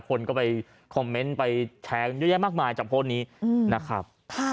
คนก็ไปคอมเมนต์ไปแชร์กันเยอะแยะมากมายจากโพสต์นี้นะครับ